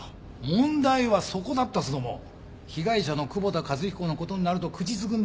問題はそこだったすども被害者の窪田一彦のことになると口つぐんで。